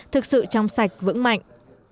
thực sự trong sạch vững mạnh